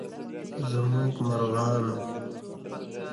زموږ مرغانو